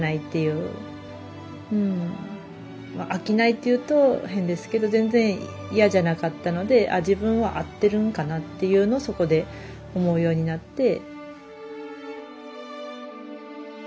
うん飽きないって言うと変ですけど全然嫌じゃなかったので自分は合ってるんかなっていうのをそこで思うようになって。